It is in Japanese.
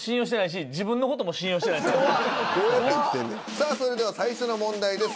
さあそれでは最初の問題です。